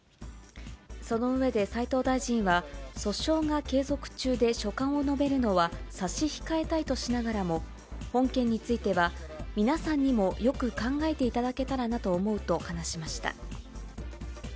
その上で斎藤大臣は、訴訟が継続中で所感を述べるのは差し控えたいとしながらも、本件については、皆さんにもよく考えていただけたらなと思うと話しました。